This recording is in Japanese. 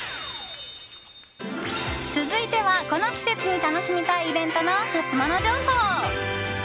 続いては、この季節に楽しみたいイベントのハツモノ情報。